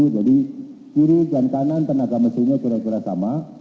jadi kiri dan kanan tenaga mesinnya kira kira sama